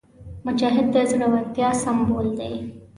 مجاهد د زړورتیا سمبول وي.